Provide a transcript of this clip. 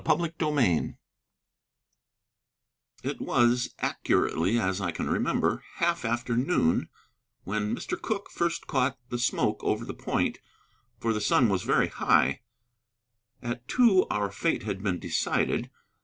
CHAPTER XVIII It was, accurately as I can remember, half after noon when Mr. Cooke first caught the smoke over the point, for the sun was very high: at two our fate had been decided.